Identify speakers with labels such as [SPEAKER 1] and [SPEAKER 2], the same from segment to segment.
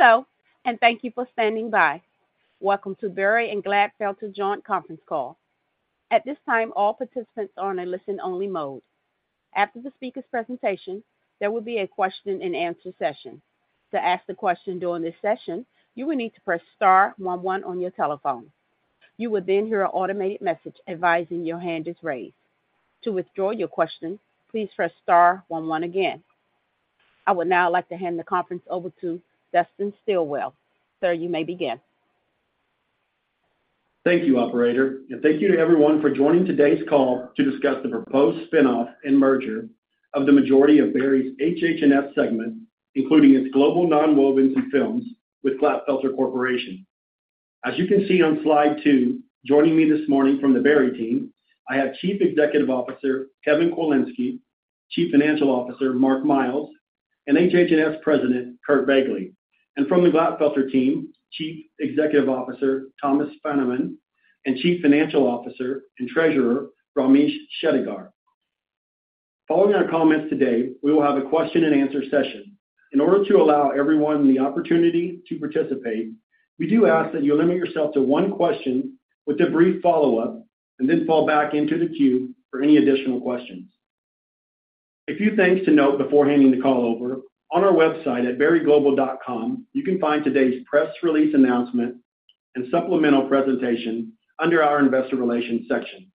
[SPEAKER 1] Hello, and thank you for standing by. Welcome to Berry and Glatfelter joint conference call. At this time, all participants are on a listen-only mode. After the speaker's presentation, there will be a question and answer session. To ask the question during this session, you will need to press star one one on your telephone. You will then hear an automated message advising your hand is raised. To withdraw your question, please press star one one again. I would now like to hand the conference over to Dustin Stilwell. Sir, you may begin.
[SPEAKER 2] Thank you, operator, and thank you to everyone for joining today's call to discuss the proposed spin-off and merger of the majority of Berry's HH&S segment, including its global nonwovens and films, with Glatfelter Corporation. As you can see on two, joining me this morning from the Berry team, I have Chief Executive Officer, Kevin Kwilinski, Chief Financial Officer, Mark Miles, and HH&S President, Curt Begle. From the Glatfelter team, Chief Executive Officer, Thomas Fahnemann, and Chief Financial Officer and Treasurer, Ramesh Shettigar. Following our comments today, we will have a question and answer session. In order to allow everyone the opportunity to participate, we do ask that you limit yourself to one question with a brief follow-up, and then fall back into the queue for any additional questions. A few things to note before handing the call over. On our website at berryglobal.com, you can find today's press release announcement and supplemental presentation under our Investor Relations section.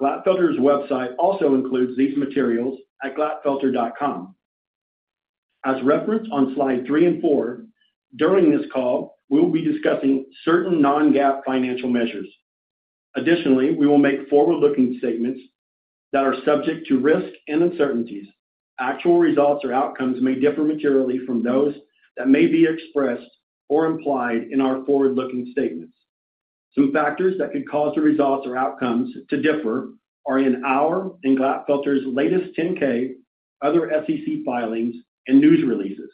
[SPEAKER 2] Glatfelter's website also includes these materials at glatfelter.com. As referenced on three and four, during this call, we will be discussing certain Non-GAAP financial measures. Additionally, we will make forward-looking statements that are subject to risks and uncertainties. Actual results or outcomes may differ materially from those that may be expressed or implied in our forward-looking statements. Some factors that could cause the results or outcomes to differ are in our and Glatfelter's latest 10-K, other SEC filings, and news releases.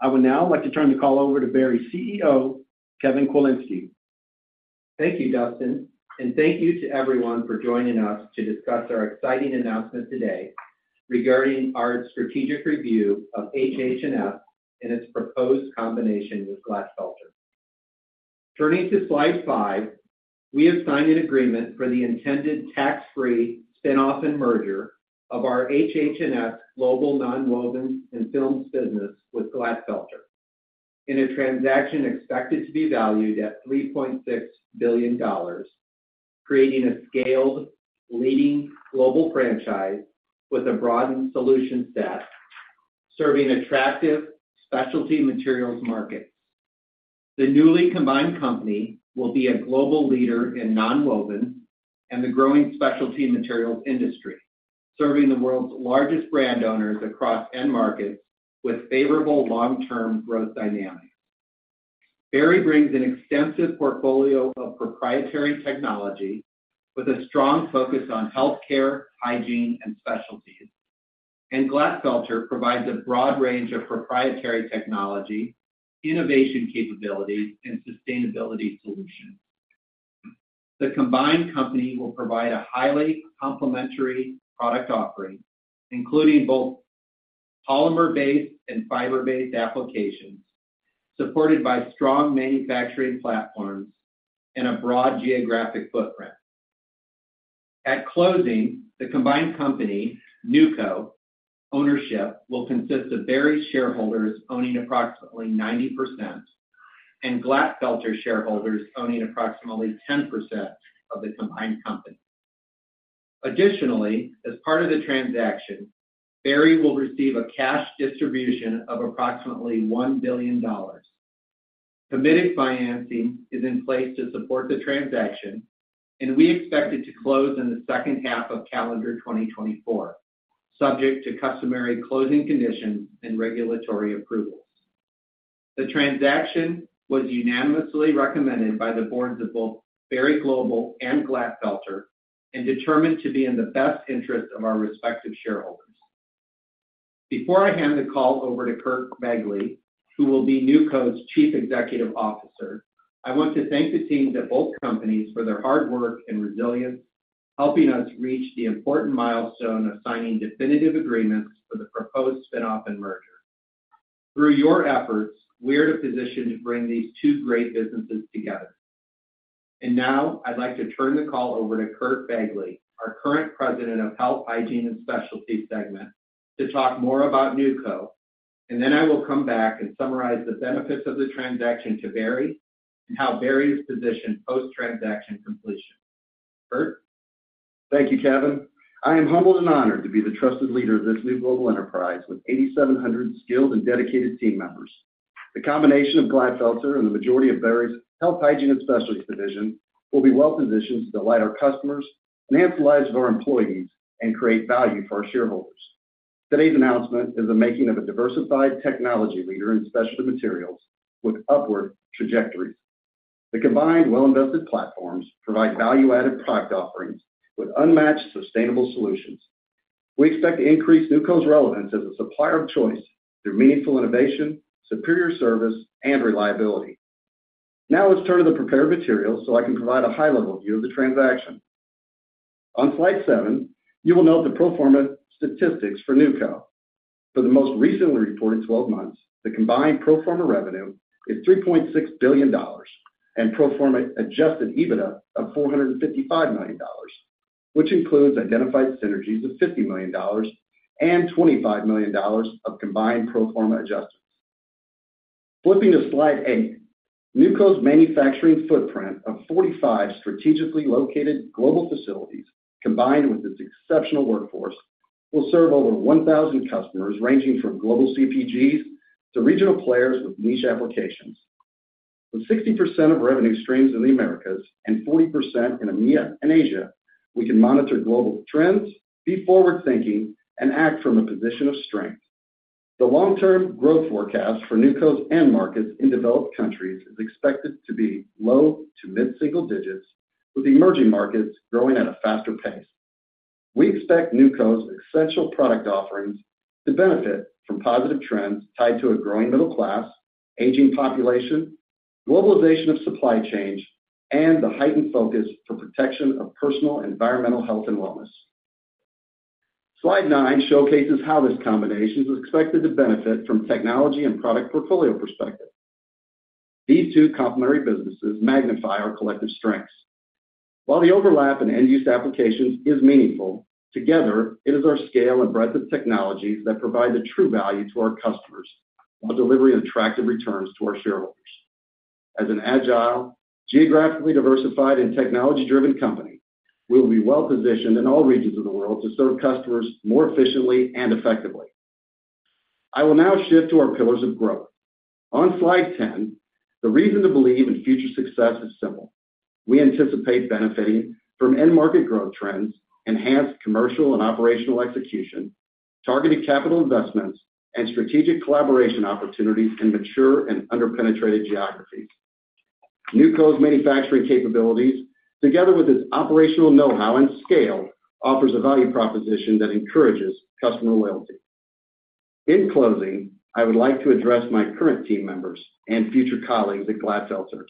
[SPEAKER 2] I would now like to turn the call over to Berry's CEO, Kevin Kwilinski.
[SPEAKER 3] Thank you, Dustin, and thank you to everyone for joining us to discuss our exciting announcement today regarding our strategic review of HH&S and its proposed combination with Glatfelter. Turning to five, we have signed an agreement for the intended tax-free spin-off and merger of our HH&S Global Nonwovens and Films business with Glatfelter, in a transaction expected to be valued at $3.6 billion, creating a scaled, leading global franchise with a broadened solution set, serving attractive specialty materials markets. The newly combined company will be a global leader in nonwoven and the growing specialty materials industry, serving the world's largest brand owners across end markets with favorable long-term growth dynamics. Berry brings an extensive portfolio of proprietary technology with a strong focus on healthcare, hygiene, and specialties. Glatfelter provides a broad range of proprietary technology, innovation capabilities, and sustainability solutions. The combined company will provide a highly complementary product offering, including both polymer-based and fiber-based applications, supported by strong manufacturing platforms and a broad geographic footprint. At closing, the combined company, NewCo, ownership will consist of Berry shareholders owning approximately 90% and Glatfelter shareholders owning approximately 10% of the combined company. Additionally, as part of the transaction, Berry will receive a cash distribution of approximately $1 billion. Committed financing is in place to support the transaction, and we expect it to close in the second half of calendar 2024, subject to customary closing conditions and regulatory approvals. The transaction was unanimously recommended by the boards of both Berry Global and Glatfelter and determined to be in the best interest of our respective shareholders. Before I hand the call over to Curt Begle, who will be NewCo's Chief Executive Officer, I want to thank the teams at both companies for their hard work and resilience, helping us reach the important milestone of signing definitive agreements for the proposed spin-off and merger. Through your efforts, we're in a position to bring these two great businesses together. And now I'd like to turn the call over to Curt Begle, our current President of Health, Hygiene, and Specialties segment, to talk more about NewCo, and then I will come back and summarize the benefits of the transaction to Berry and how Berry is positioned post-transaction completion. Curt?
[SPEAKER 4] Thank you, Kevin. I am humbled and honored to be the trusted leader of this new global enterprise with 8,700 skilled and dedicated team members. The combination of Glatfelter and the majority of Berry's Health, Hygiene, and Specialty division will be well positioned to delight our customers, enhance the lives of our employees, and create value for our shareholders. Today's announcement is the making of a diversified technology leader in specialty materials with upward trajectories. The combined well-invested platforms provide value-added product offerings with unmatched sustainable solutions. We expect to increase NewCo's relevance as a supplier of choice through meaningful innovation, superior service, and reliability. Now, let's turn to the prepared materials so I can provide a high-level view of the transaction. On slide seven, you will note the pro forma statistics for NewCo. For the most recently reported twelve months, the combined pro forma revenue is $3.6 billion and pro forma Adjusted EBITDA of $455 million, which includes identified synergies of $50 million and $25 million of combined pro forma adjustments. Flipping to slide eight, NewCo's manufacturing footprint of 45 strategically located global facilities, combined with its exceptional workforce, will serve over 1,000 customers, ranging from global CPGs to regional players with niche applications. With 60% of revenue streams in the Americas and 40% in EMEA and Asia, we can monitor global trends, be forward-thinking, and act from a position of strength. The long-term growth forecast for NewCo's end markets in developed countries is expected to be low to mid-single digits, with emerging markets growing at a faster pace. We expect NewCo's essential product offerings to benefit from positive trends tied to a growing middle class, aging population, globalization of supply chains, and the heightened focus for protection of personal environmental, health, and wellness. Slide nine showcases how this combination is expected to benefit from technology and product portfolio perspective. These two complementary businesses magnify our collective strengths. While the overlap in end-use applications is meaningful, together, it is our scale and breadth of technologies that provide the true value to our customers, while delivering attractive returns to our shareholders. As an agile, geographically diversified, and technology-driven company, we will be well-positioned in all regions of the world to serve customers more efficiently and effectively. I will now shift to our pillars of growth. On slide ten, the reason to believe in future success is simple. We anticipate benefiting from end-market growth trends, enhanced commercial and operational execution, targeted capital investments, and strategic collaboration opportunities in mature and under-penetrated geographies. NewCo's manufacturing capabilities, together with its operational know-how and scale, offers a value proposition that encourages customer loyalty. In closing, I would like to address my current team members and future colleagues at Glatfelter.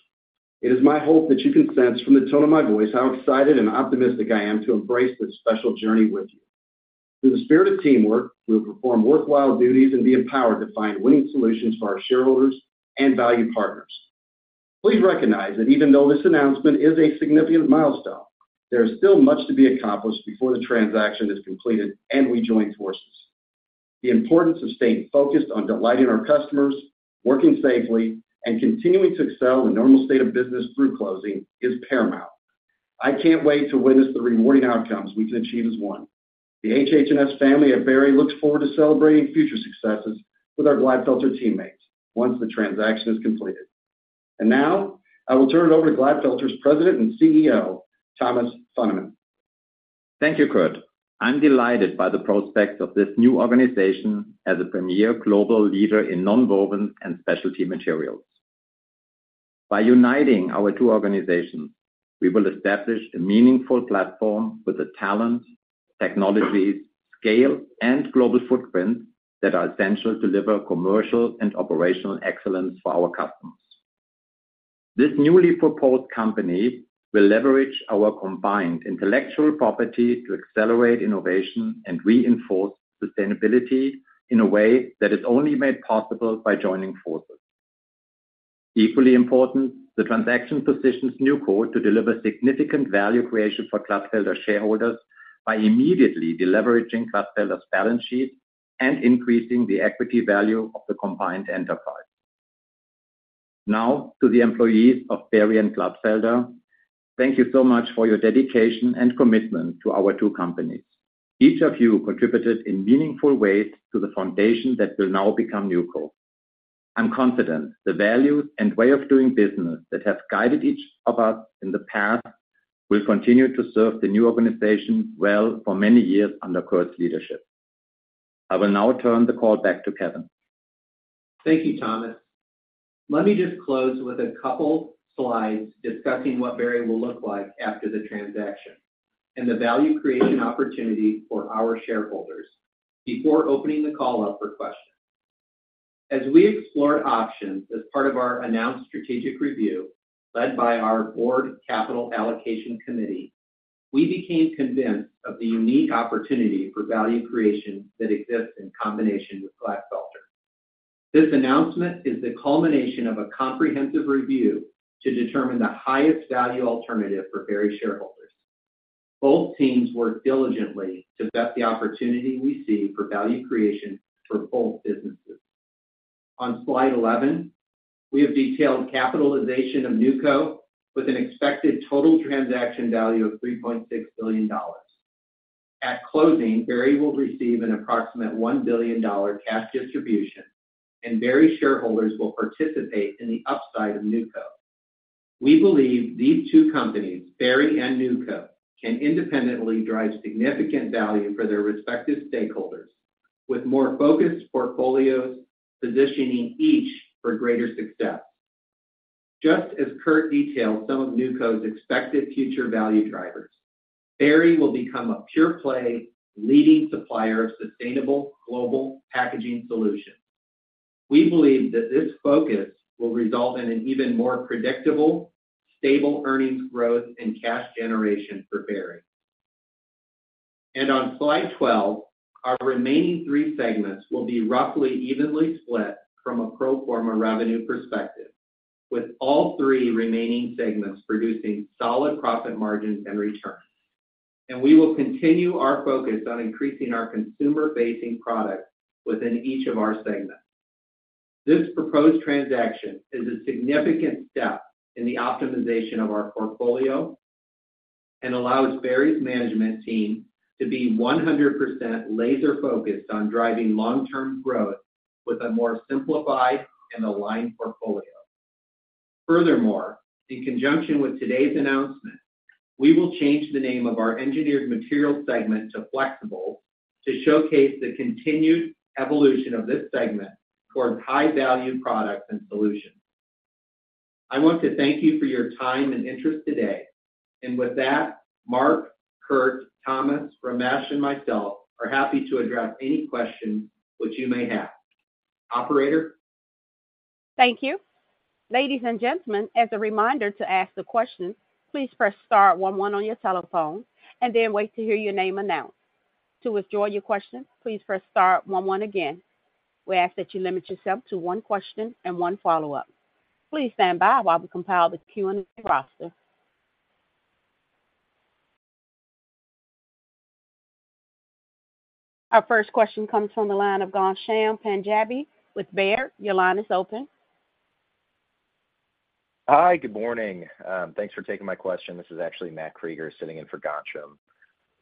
[SPEAKER 4] It is my hope that you can sense from the tone of my voice how excited and optimistic I am to embrace this special journey with you. Through the spirit of teamwork, we will perform worthwhile duties and be empowered to find winning solutions for our shareholders and value partners. Please recognize that even though this announcement is a significant milestone, there is still much to be accomplished before the transaction is completed and we join forces. The importance of staying focused on delighting our customers, working safely, and continuing to excel in normal state of business through closing is paramount. I can't wait to witness the rewarding outcomes we can achieve as one. The HH&S family at Berry looks forward to celebrating future successes with our Glatfelter teammates once the transaction is completed. Now, I will turn it over to Glatfelter's President and CEO, Thomas Fahnemann.
[SPEAKER 5] Thank you, Curt. I'm delighted by the prospects of this new organization as a premier global leader in nonwoven and specialty materials. By uniting our two organizations, we will establish a meaningful platform with the talent, technology, scale, and global footprint that are essential to deliver commercial and operational excellence for our customers. This newly proposed company will leverage our combined intellectual property to accelerate innovation and reinforce sustainability in a way that is only made possible by joining forces. Equally important, the transaction positions NewCo to deliver significant value creation for Glatfelter shareholders by immediately deleveraging Glatfelter's balance sheet and increasing the equity value of the combined enterprise. Now, to the employees of Berry and Glatfelter, thank you so much for your dedication and commitment to our two companies. Each of you contributed in meaningful ways to the foundation that will now become NewCo. I'm confident the values and way of doing business that have guided each of us in the past will continue to serve the new organization well for many years under Curt's leadership. I will now turn the call back to Kevin.
[SPEAKER 3] Thank you, Thomas. Let me just close with a couple slides discussing what Berry will look like after the transaction and the value creation opportunity for our shareholders before opening the call up for questions. As we explored options as part of our announced strategic review, led by our board capital allocation committee, we became convinced of the unique opportunity for value creation that exists in combination with Glatfelter. This announcement is the culmination of a comprehensive review to determine the highest value alternative for Berry shareholders. Both teams worked diligently to vet the opportunity we see for value creation for both businesses. On Slide 11, we have detailed capitalization of NewCo with an expected total transaction value of $3.6 billion. At closing, Berry will receive an approximate $1 billion cash distribution, and Berry shareholders will participate in the upside of NewCo. We believe these two companies, Berry and NewCo, can independently drive significant value for their respective stakeholders, with more focused portfolios positioning each for greater success. Just as Kurt detailed some of NewCo's expected future value drivers, Berry will become a pure-play leading supplier of sustainable global packaging solutions.... We believe that this focus will result in an even more predictable, stable earnings growth and cash generation for Berry. On Slide 12, our remaining three segments will be roughly evenly split from a pro forma revenue perspective, with all three remaining segments producing solid profit margins and returns. We will continue our focus on increasing our consumer-facing products within each of our segments. This proposed transaction is a significant step in the optimization of our portfolio and allows Berry's management team to be 100% laser-focused on driving long-term growth with a more simplified and aligned portfolio. Furthermore, in conjunction with today's announcement, we will change the name of our engineered materials segment to Flexibles to showcase the continued evolution of this segment towards high-value products and solutions. I want to thank you for your time and interest today, and with that, Mark, Curt, Thomas, Ramesh, and myself are happy to address any questions which you may have. Operator?
[SPEAKER 1] Thank you. Ladies and gentlemen, as a reminder to ask the question, please press star one, one on your telephone and then wait to hear your name announced. To withdraw your question, please press star one, one again. We ask that you limit yourself to one question and one follow-up. Please stand by while we compile the Q&A roster. Our first question comes from the line of Ghansham Panjabi with Baird. Your line is open.
[SPEAKER 6] Hi, good morning. Thanks for taking my question. This is actually Matt Krieger sitting in for Ghansham.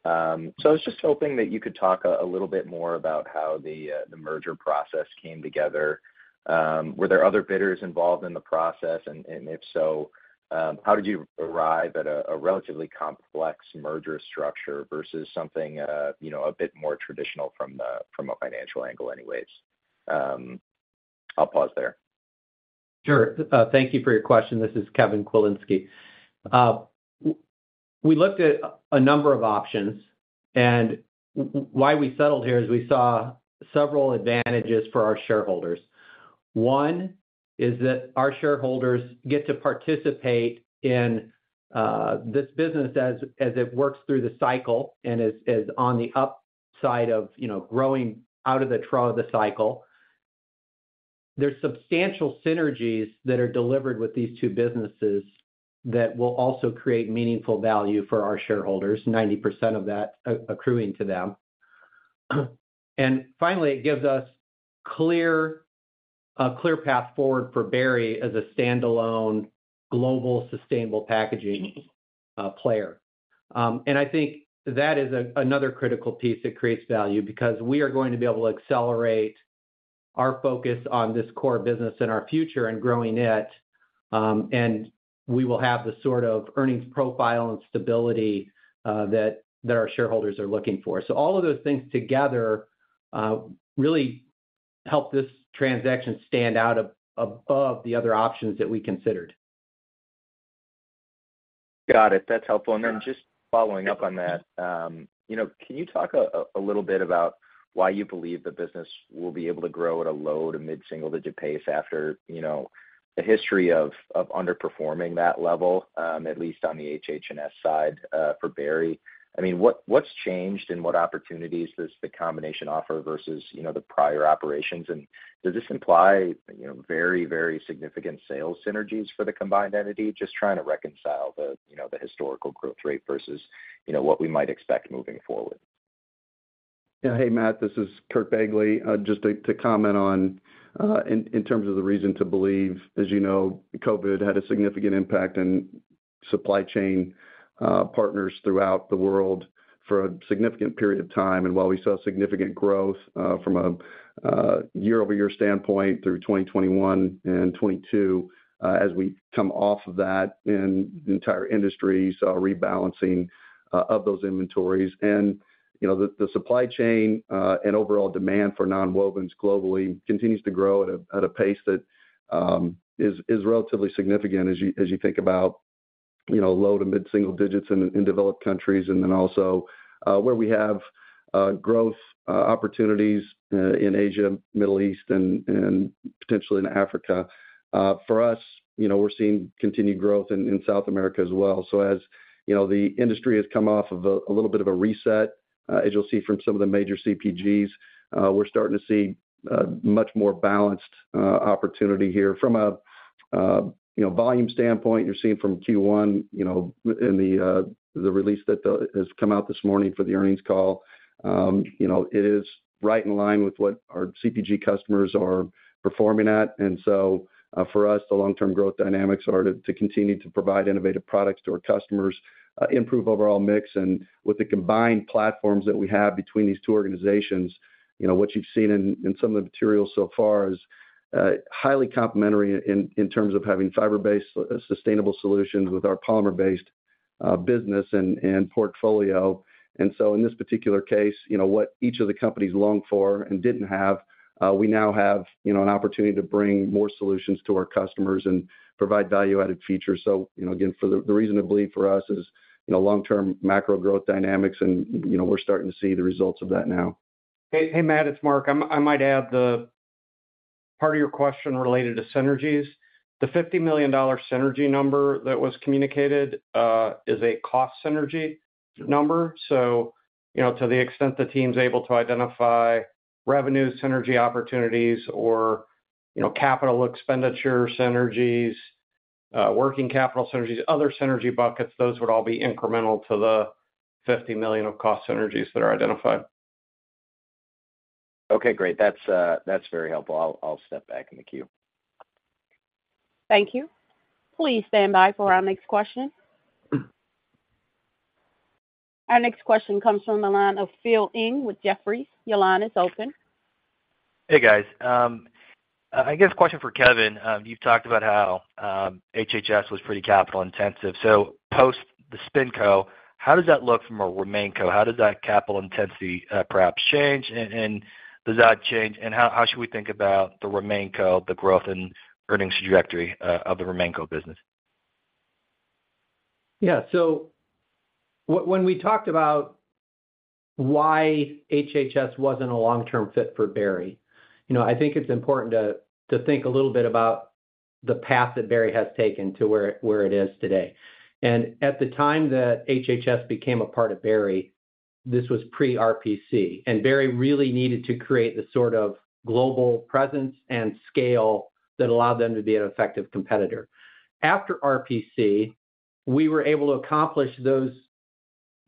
[SPEAKER 6] So I was just hoping that you could talk a little bit more about how the merger process came together. Were there other bidders involved in the process? And if so, how did you arrive at a relatively complex merger structure versus something you know a bit more traditional from a financial angle anyways? I'll pause there.
[SPEAKER 3] Sure. Thank you for your question. This is Kevin Kwilinski. We looked at a number of options, and why we settled here is we saw several advantages for our shareholders. One is that our shareholders get to participate in this business as it works through the cycle and is on the upside of, you know, growing out of the trough of the cycle. There's substantial synergies that are delivered with these two businesses that will also create meaningful value for our shareholders, 90% of that accruing to them. And finally, it gives us a clear path forward for Berry as a standalone global sustainable packaging player. And I think that is another critical piece that creates value because we are going to be able to accelerate our focus on this core business and our future and growing it, and we will have the sort of earnings profile and stability that our shareholders are looking for. So all of those things together really help this transaction stand out above the other options that we considered.
[SPEAKER 6] Got it. That's helpful.
[SPEAKER 3] Sure.
[SPEAKER 6] Then just following up on that, you know, can you talk a little bit about why you believe the business will be able to grow at a low to mid-single-digit pace after, you know, the history of underperforming that level, at least on the HH&S side, for Berry? I mean, what's changed, and what opportunities does the combination offer versus, you know, the prior operations? Does this imply, you know, very, very significant sales synergies for the combined entity? Just trying to reconcile the, you know, the historical growth rate versus, you know, what we might expect moving forward.
[SPEAKER 4] Yeah. Hey, Matt, this is Curt Begle. Just to comment on in terms of the reason to believe, as you know, COVID had a significant impact in supply chain partners throughout the world for a significant period of time. And while we saw significant growth from a year-over-year standpoint through 2021 and 2022, as we come off of that, and the entire industry saw rebalancing of those inventories. And, you know, the supply chain and overall demand for nonwovens globally continues to grow at a pace that is relatively significant as you think about, you know, low- to mid-single digits in developed countries and then also where we have growth opportunities in Asia, Middle East, and potentially in Africa. For us, you know, we're seeing continued growth in South America as well. So as, you know, the industry has come off of a little bit of a reset, as you'll see from some of the major CPGs, we're starting to see a much more balanced opportunity here. From a, you know, volume standpoint, you're seeing from Q1, you know, in the release that has come out this morning for the earnings call, you know, it is right in line with what our CPG customers are performing at. And so, for us, the long-term growth dynamics are to continue to provide innovative products to our customers, improve overall mix. With the combined platforms that we have between these two organizations, you know, what you've seen in some of the materials so far is highly complementary in terms of having fiber-based sustainable solutions with our polymer-based business and portfolio. So in this particular case, you know, what each of the companies longed for and didn't have, we now have, you know, an opportunity to bring more solutions to our customers and provide value-added features. So, you know, again, the reason to believe for us is, you know, long-term macro growth dynamics, and, you know, we're starting to see the results of that now.
[SPEAKER 7] Hey, hey, Matt. It's Mark. I might add the-... Part of your question related to synergies. The $50 million synergy number that was communicated is a cost synergy number. So, you know, to the extent the team's able to identify revenue synergy opportunities or, you know, capital expenditure synergies, working capital synergies, other synergy buckets, those would all be incremental to the $50 million of cost synergies that are identified.
[SPEAKER 6] Okay, great. That's, that's very helpful. I'll, I'll step back in the queue.
[SPEAKER 1] Thank you. Please stand by for our next question. Our next question comes from the line of Phil Ng with Jefferies. Your line is open.
[SPEAKER 8] Hey, guys. I guess question for Kevin. You've talked about how, HHS was pretty capital intensive. So post the spin-off, how does that look from a RemainCo? How does that capital intensity, perhaps change? And, does that change, and how, how should we think about the RemainCo, the growth and earnings trajectory, of the RemainCo business?
[SPEAKER 3] Yeah. So when we talked about why HHS wasn't a long-term fit for Berry, you know, I think it's important to think a little bit about the path that Berry has taken to where it is today. And at the time that HHS became a part of Berry, this was pre-RPC, and Berry really needed to create the sort of global presence and scale that allowed them to be an effective competitor. After RPC, we were able to accomplish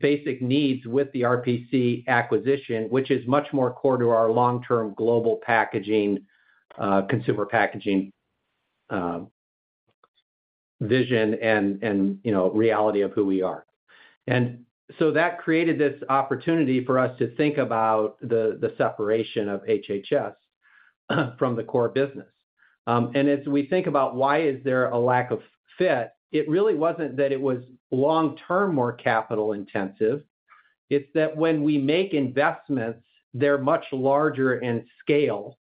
[SPEAKER 3] those basic needs with the RPC acquisition, which is much more core to our long-term global packaging, consumer packaging vision and, you know, reality of who we are. And so that created this opportunity for us to think about the separation of HHS from the core business. And as we think about why is there a lack of fit, it really wasn't that it was long-term, more capital intensive. It's that when we make investments, they're much larger in scale.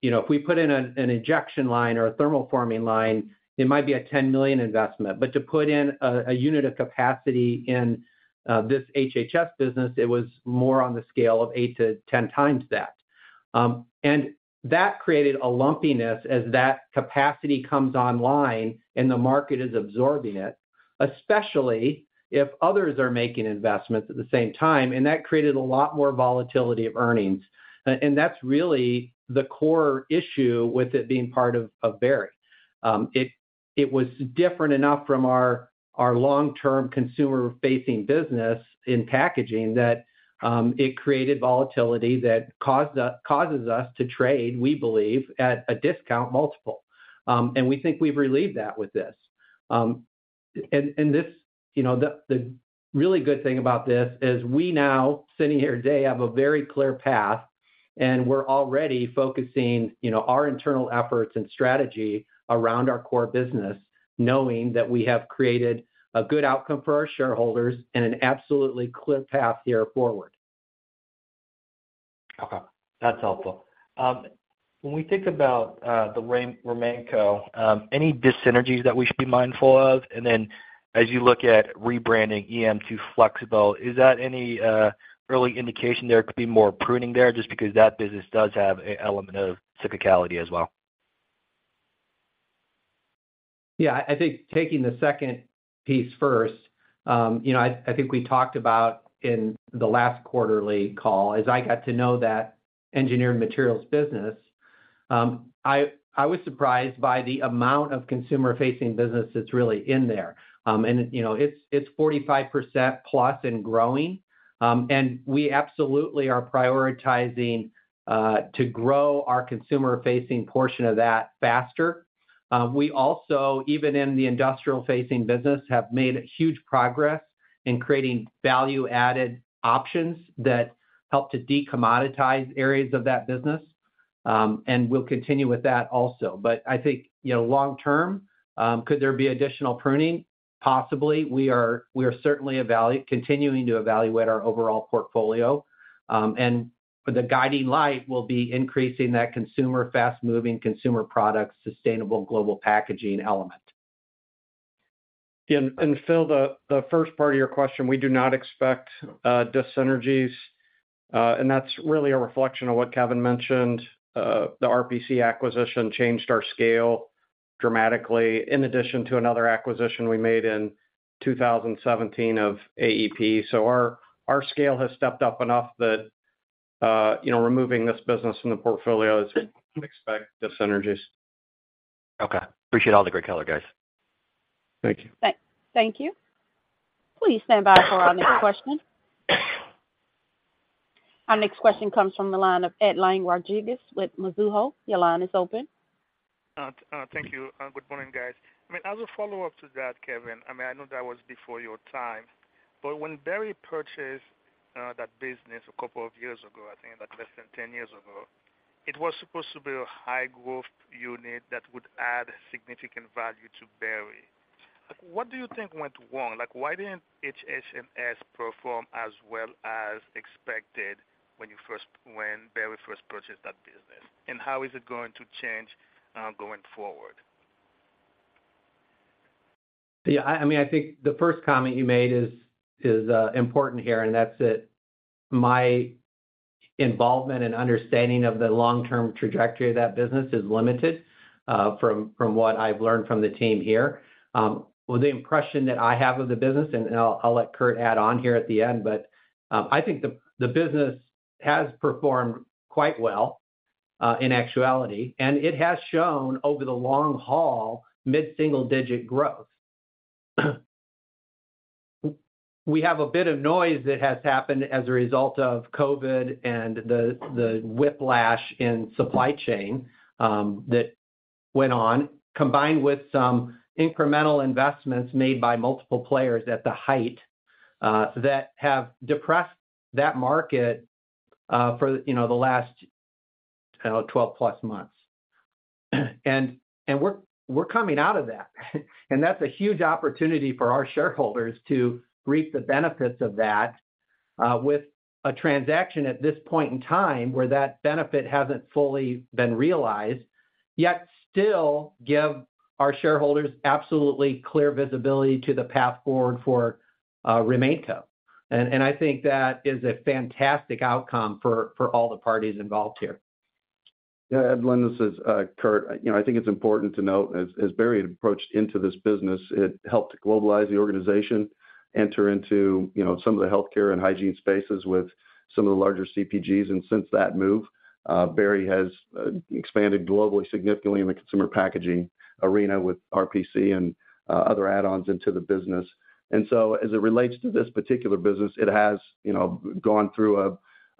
[SPEAKER 3] You know, if we put in an injection line or a thermoforming line, it might be a $10 million investment. But to put in a unit of capacity in this HHS business, it was more on the scale of 8x-10x that. And that created a lumpiness as that capacity comes online, and the market is absorbing it, especially if others are making investments at the same time, and that created a lot more volatility of earnings. And that's really the core issue with it being part of Berry. It was different enough from our long-term consumer-facing business in packaging that it created volatility that caused us, causes us to trade, we believe, at a discount multiple. We think we've relieved that with this. This, you know, the really good thing about this is we now, sitting here today, have a very clear path, and we're already focusing, you know, our internal efforts and strategy around our core business, knowing that we have created a good outcome for our shareholders and an absolutely clear path here forward.
[SPEAKER 8] Okay, that's helpful. When we think about the RemainCo, any dis-synergies that we should be mindful of? And then as you look at rebranding EM to Flexibles, is that any early indication there could be more pruning there, just because that business does have an element of cyclicality as well?
[SPEAKER 3] Yeah. I think taking the second piece first, you know, I think we talked about in the last quarterly call, as I got to know that engineered materials business, I was surprised by the amount of consumer-facing business that's really in there. And, you know, it's 45% plus and growing. And we absolutely are prioritizing to grow our consumer-facing portion of that faster. We also, even in the industrial-facing business, have made huge progress in creating value-added options that help to decommoditize areas of that business. And we'll continue with that also. But I think, you know, long term, could there be additional pruning? Possibly. We are certainly continuing to evaluate our overall portfolio. And the guiding light will be increasing that consumer, fast-moving consumer product, sustainable global packaging element.
[SPEAKER 7] Phil, the first part of your question, we do not expect dyssynergies, and that's really a reflection of what Kevin mentioned. The RPC acquisition changed our scale dramatically, in addition to another acquisition we made in 2017 of AEP. So our scale has stepped up enough that, you know, removing this business from the portfolio, we don't expect dyssynergies.
[SPEAKER 8] Okay. Appreciate all the great color, guys.
[SPEAKER 7] Thank you.
[SPEAKER 1] Thank you. Please stand by for our next question. Our next question comes from the line of Edlain Rodriguez with Mizuho. Your line is open.
[SPEAKER 9] Thank you, and good morning, guys. I mean, as a follow-up to that, Kevin, I mean, I know that was before your time, but when Berry purchased that business a couple of years ago, I think about less than 10 years ago, it was supposed to be a high-growth unit that would add significant value to Berry. What do you think went wrong? Like, why didn't HHS perform as well as expected when Berry first purchased that business? And how is it going to change going forward?...
[SPEAKER 3] Yeah, I mean, I think the first comment you made is important here, and that's that my involvement and understanding of the long-term trajectory of that business is limited, from what I've learned from the team here. Well, the impression that I have of the business, and I'll let Curt add on here at the end, but I think the business has performed quite well, in actuality, and it has shown over the long haul, mid-single-digit growth. We have a bit of noise that has happened as a result of COVID and the whiplash in supply chain that went on, combined with some incremental investments made by multiple players at the height that have depressed that market, for, you know, the last 12+ months. And we're coming out of that. That's a huge opportunity for our shareholders to reap the benefits of that, with a transaction at this point in time, where that benefit hasn't fully been realized, yet still give our shareholders absolutely clear visibility to the path forward for RemainCo. And I think that is a fantastic outcome for all the parties involved here.
[SPEAKER 4] Yeah, Edlain, this is, Curt. You know, I think it's important to note, as Berry approached into this business, it helped to globalize the organization, enter into, you know, some of the healthcare and hygiene spaces with some of the larger CPGs. And since that move, Berry has expanded globally, significantly in the consumer packaging arena with RPC and other add-ons into the business. And so as it relates to this particular business, it has, you know, gone through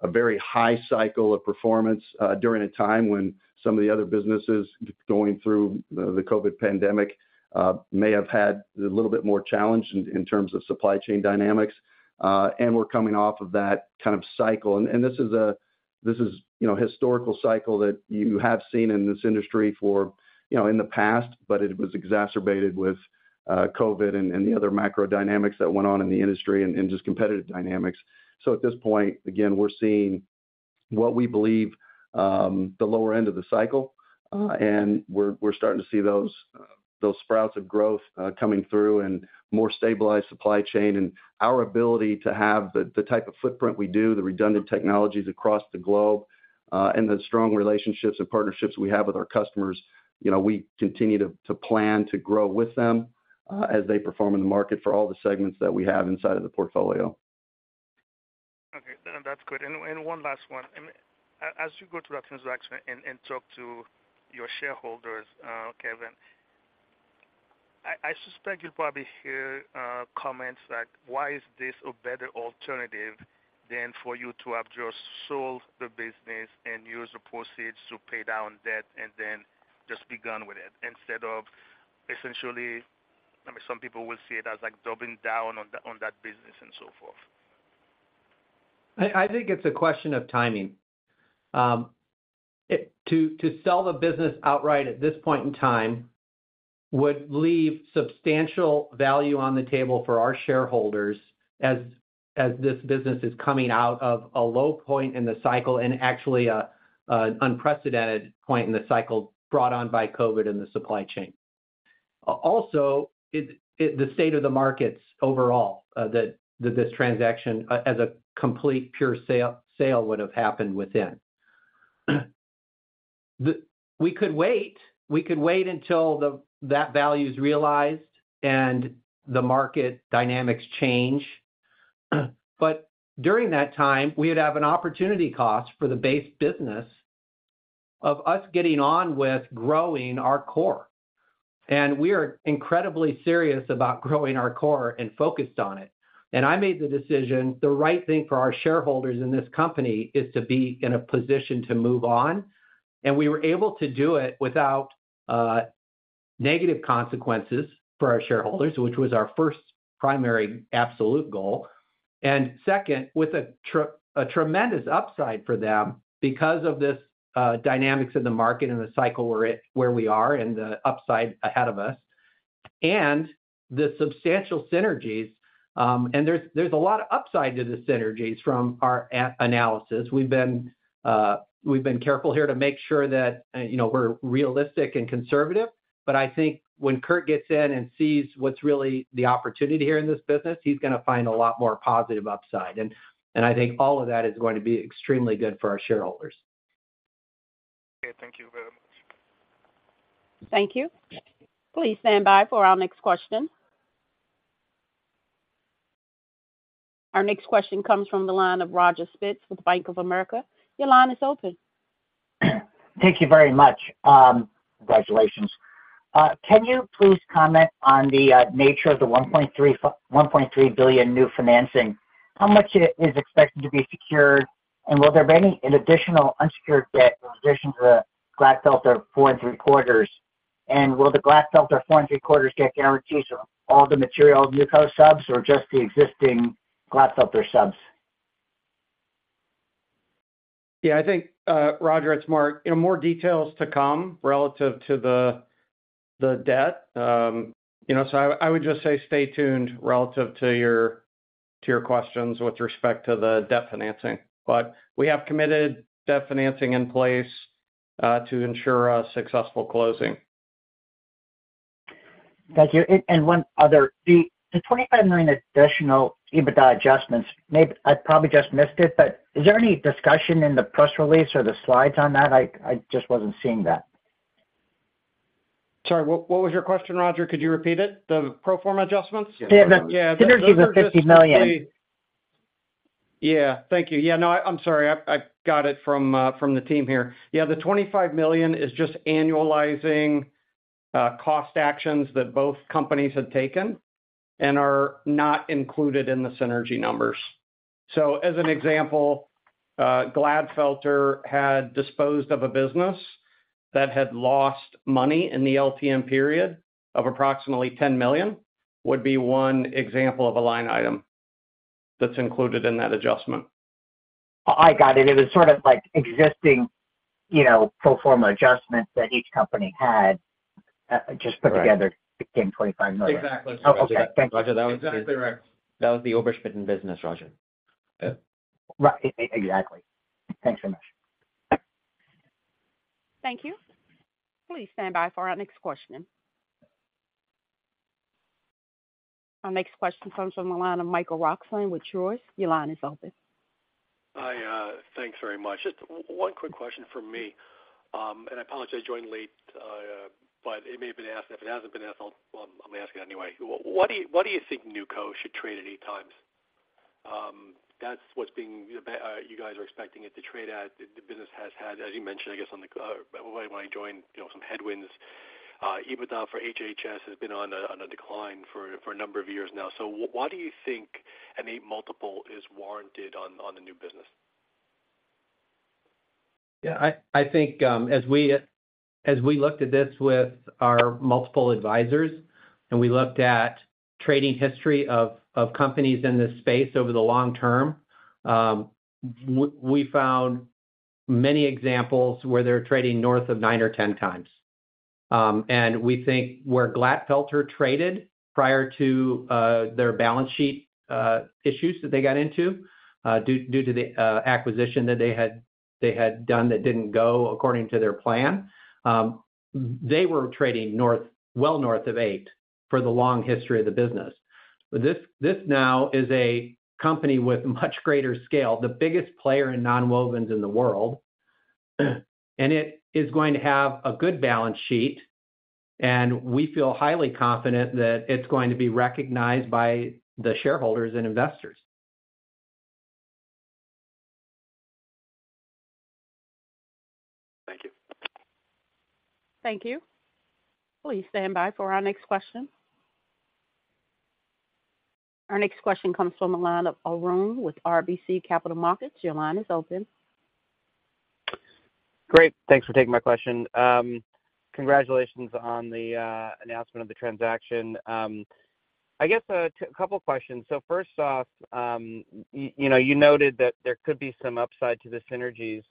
[SPEAKER 4] a very high cycle of performance, during a time when some of the other businesses going through the COVID pandemic may have had a little bit more challenge in terms of supply chain dynamics. And we're coming off of that kind of cycle. This is, you know, historical cycle that you have seen in this industry for, you know, in the past, but it was exacerbated with COVID and the other macro dynamics that went on in the industry and just competitive dynamics. So at this point, again, we're seeing what we believe the lower end of the cycle, and we're starting to see those sprouts of growth coming through and more stabilized supply chain. And our ability to have the type of footprint we do, the redundant technologies across the globe, and the strong relationships and partnerships we have with our customers, you know, we continue to plan to grow with them as they perform in the market for all the segments that we have inside of the portfolio.
[SPEAKER 9] Okay, then that's good. One last one. As you go through that transaction and talk to your shareholders, Kevin, I suspect you'll probably hear comments like, "Why is this a better alternative than for you to have just sold the business and use the proceeds to pay down debt, and then just be done with it?" Instead of essentially, I mean, some people will see it as like doubling down on that, on that business and so forth.
[SPEAKER 3] I think it's a question of timing. It—to sell the business outright at this point in time would leave substantial value on the table for our shareholders as this business is coming out of a low point in the cycle and actually an unprecedented point in the cycle brought on by COVID and the supply chain. Also, the state of the markets overall, that this transaction as a complete pure sale would have happened within. We could wait. We could wait until that value is realized and the market dynamics change. But during that time, we'd have an opportunity cost for the base business of us getting on with growing our core. And we are incredibly serious about growing our core and focused on it. I made the decision, the right thing for our shareholders in this company, is to be in a position to move on. And we were able to do it without negative consequences for our shareholders, which was our first primary, absolute goal. And second, with a tremendous upside for them because of this dynamics of the market and the cycle we're at, where we are, and the upside ahead of us, and the substantial synergies. And there's a lot of upside to the synergies from our analysis. We've been we've been careful here to make sure that you know, we're realistic and conservative, but I think when Curt gets in and sees what's really the opportunity here in this business, he's gonna find a lot more positive upside. I think all of that is going to be extremely good for our shareholders.
[SPEAKER 9] Okay. Thank you very much.
[SPEAKER 1] Thank you. Please stand by for our next question. Our next question comes from the line of Roger Spitz with Bank of America. Your line is open.
[SPEAKER 10] Thank you very much. Congratulations. Can you please comment on the nature of the $1.3 billion new financing? How much is expected to be secured, and will there be any additional unsecured debt in addition to the Glatfelter 4 3/4? And will the Glatfelter 4 3/4 get guarantees of all the material NewCo subs or just the existing Glatfelter subs?
[SPEAKER 3] Yeah, I think, Roger, it's Mark. You know, more details to come relative to the debt. You know, so I would just say stay tuned relative to your questions with respect to the debt financing. But we have committed debt financing in place to ensure a successful closing.
[SPEAKER 10] Thank you. And one other, the $25 million additional EBITDA adjustments, maybe I probably just missed it, but is there any discussion in the press release or the slides on that? I just wasn't seeing that.
[SPEAKER 3] Sorry, what, what was your question, Roger? Could you repeat it? The pro forma adjustments?
[SPEAKER 10] Yeah, the-
[SPEAKER 3] Yeah.
[SPEAKER 10] Synergy, the $50 million.
[SPEAKER 3] Yeah. Thank you. Yeah, no, I'm sorry. I, I got it from, from the team here. Yeah, the $25 million is just annualizing cost actions that both companies had taken and are not included in the synergy numbers. So as an example, Glatfelter had disposed of a business that had lost money in the LTM period of approximately $10 million, would be one example of a line item that's included in that adjustment.
[SPEAKER 10] I got it. It was sort of like existing, you know, pro forma adjustments that each company had just put together-
[SPEAKER 3] Right
[SPEAKER 10] Became $25 million.
[SPEAKER 3] Exactly.
[SPEAKER 10] Okay, thank you.
[SPEAKER 4] Roger, that was-
[SPEAKER 3] Exactly right.
[SPEAKER 4] That was the Oberschmitten business, Roger.
[SPEAKER 10] Right. Exactly. Thanks so much.
[SPEAKER 1] Thank you. Please stand by for our next question. Our next question comes from the line of Michael Roxland with Truist. Your line is open.
[SPEAKER 11] Hi, thanks very much. Just one quick question from me. I apologize I joined late, but it may have been asked. If it hasn't been asked, I'll, well, I'm asking anyway. What do you think NewCo should trade at 8x? That's what's being, you guys are expecting it to trade at. The business has had, as you mentioned, I guess, on the, when I joined, you know, some headwinds. EBITDA for HHS has been on a decline for a number of years now. So why do you think an 8x multiple is warranted on the new business?
[SPEAKER 3] Yeah, I think, as we looked at this with our multiple advisors, and we looked at trading history of companies in this space over the long term, we found many examples where they're trading north of 9x or 10x. And we think where Glatfelter traded prior to their balance sheet issues that they got into due to the acquisition that they had done, that didn't go according to their plan. They were trading north, well north of 8x for the long history of the business. But this now is a company with much greater scale, the biggest player in nonwovens in the world, and it is going to have a good balance sheet, and we feel highly confident that it's going to be recognized by the shareholders and investors.
[SPEAKER 11] Thank you.
[SPEAKER 1] Thank you. Please stand by for our next question. Our next question comes from the line of Arun with RBC Capital Markets. Your line is open.
[SPEAKER 12] Great, thanks for taking my question. Congratulations on the announcement of the transaction. I guess a couple questions. So first off, you know, you noted that there could be some upside to the synergies.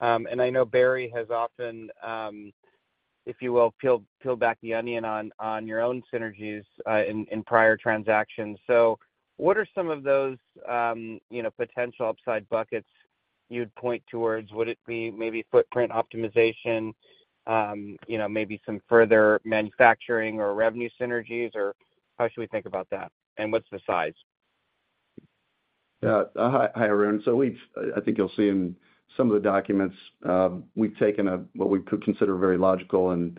[SPEAKER 12] And I know Berry has often, if you will, peeled back the onion on your own synergies in prior transactions. So what are some of those, you know, potential upside buckets you'd point towards? Would it be maybe footprint optimization, you know, maybe some further manufacturing or revenue synergies, or how should we think about that? And what's the size?
[SPEAKER 4] Yeah. Hi, hi, Arun. So we've—I think you'll see in some of the documents, we've taken a what we could consider very logical and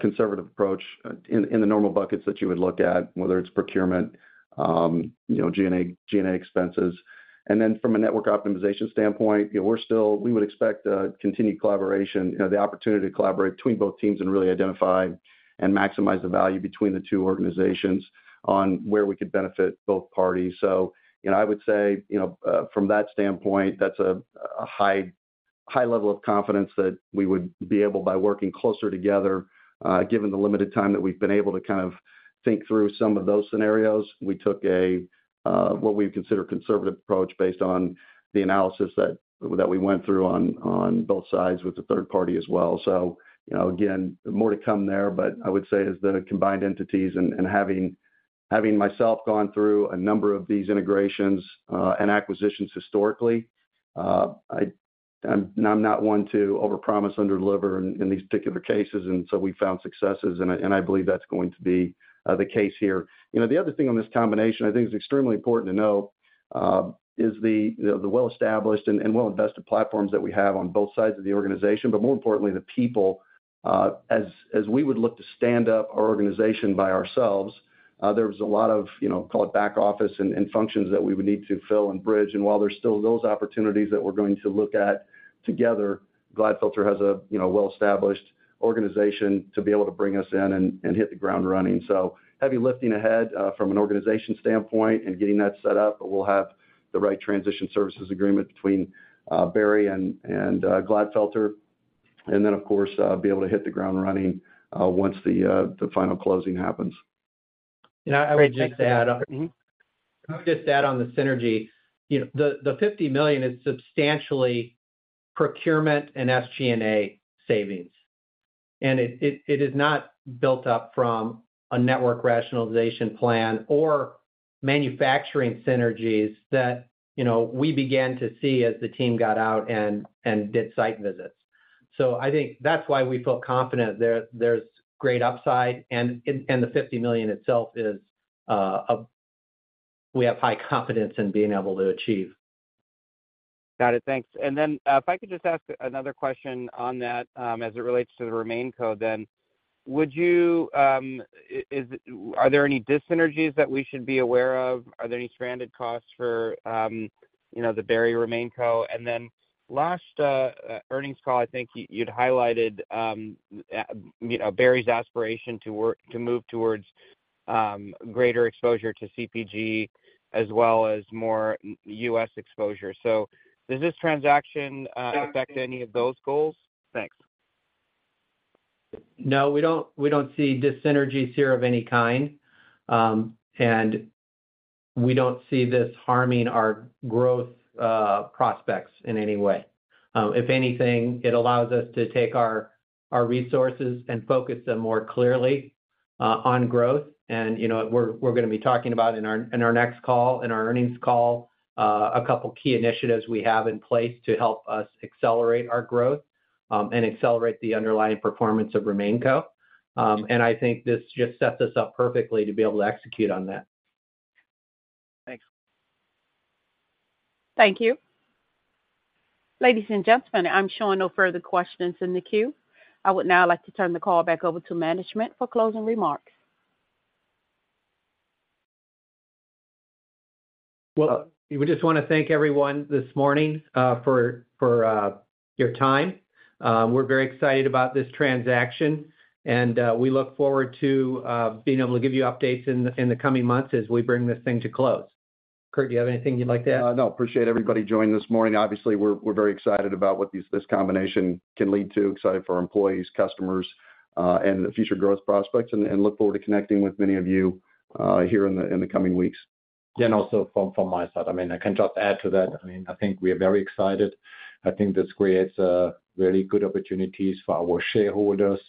[SPEAKER 4] conservative approach in the normal buckets that you would look at, whether it's procurement, you know, G&A, G&A expenses. And then from a network optimization standpoint, you know, we're still, we would expect continued collaboration, you know, the opportunity to collaborate between both teams and really identify and maximize the value between the two organizations on where we could benefit both parties. So, you know, I would say, you know, from that standpoint, that's a high level of confidence that we would be able by working closer together, given the limited time that we've been able to kind of think through some of those scenarios. We took a what we'd consider conservative approach based on the analysis that we went through on both sides with the third party as well. So, you know, again, more to come there, but I would say as the combined entities and having myself gone through a number of these integrations and acquisitions historically, I'm not one to overpromise, underdeliver in these particular cases, and so we found successes, and I believe that's going to be the case here. You know, the other thing on this combination, I think it's extremely important to note is the, you know, the well-established and well-invested platforms that we have on both sides of the organization, but more importantly, the people. As we would look to stand up our organization by ourselves, there was a lot of, you know, call it back office and functions that we would need to fill and bridge. While there's still those opportunities that we're going to look at together, Glatfelter has a, you know, well-established organization to be able to bring us in and hit the ground running. Heavy lifting ahead from an organization standpoint and getting that set up, but we'll have the right transition services agreement between Berry and Glatfelter, and then, of course, be able to hit the ground running once the final closing happens.
[SPEAKER 12] Great. Thanks.
[SPEAKER 3] Can I just add on?
[SPEAKER 12] Mm-hmm.
[SPEAKER 3] Can I just add on the synergy? You know, the $50 million is substantially procurement and SG&A savings. And it is not built up from a network rationalization plan or manufacturing synergies that, you know, we began to see as the team got out and did site visits. So I think that's why we feel confident there, there's great upside, and the $50 million itself is, we have high confidence in being able to achieve.
[SPEAKER 12] Got it. Thanks. And then, if I could just ask another question on that, as it relates to the RemainCo, then would you, are there any dyssynergies that we should be aware of? Are there any stranded costs for, you know, the Berry RemainCo? And then last, earnings call, I think you, you'd highlighted, you know, Berry's aspiration to work, to move towards, greater exposure to CPG as well as more U.S. exposure. So does this transaction, affect any of those goals? Thanks.
[SPEAKER 3] No, we don't, we don't see dyssynergies here of any kind. We don't see this harming our growth prospects in any way. If anything, it allows us to take our resources and focus them more clearly on growth. You know, we're gonna be talking about in our next call, in our earnings call, a couple of key initiatives we have in place to help us accelerate our growth and accelerate the underlying performance of RemainCo. I think this just sets us up perfectly to be able to execute on that.
[SPEAKER 12] Thanks.
[SPEAKER 1] Thank you. Ladies and gentlemen, I'm showing no further questions in the queue. I would now like to turn the call back over to management for closing remarks.
[SPEAKER 3] Well, we just want to thank everyone this morning for your time. We're very excited about this transaction, and we look forward to being able to give you updates in the coming months as we bring this thing to close. Curt, do you have anything you'd like to add?
[SPEAKER 4] No. Appreciate everybody joining this morning. Obviously, we're very excited about what this combination can lead to, excited for our employees, customers, and the future growth prospects, and look forward to connecting with many of you here in the coming weeks.
[SPEAKER 5] Yeah, and also from my side, I mean, I can just add to that. I mean, I think we are very excited. I think this creates really good opportunities for our shareholders.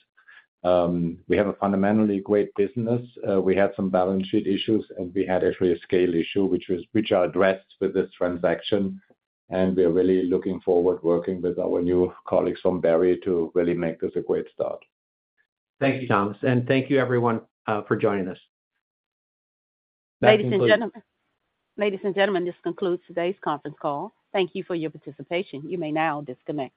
[SPEAKER 5] We have a fundamentally great business. We had some balance sheet issues, and we had actually a scale issue, which are addressed with this transaction, and we are really looking forward to working with our new colleagues from Berry to really make this a great start.
[SPEAKER 3] Thank you, Thomas, and thank you, everyone, for joining us.
[SPEAKER 1] Ladies and gentlemen, this concludes today's conference call. Thank you for your participation. You may now disconnect.